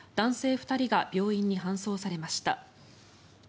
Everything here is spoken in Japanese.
２人が病院に搬送されました。